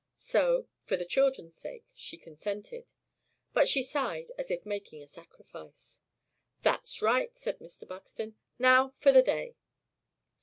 So, "for the children's sake," she consented. But she sighed, as if making a sacrifice. "That's right," said Mr. Buxton. "Now for the day."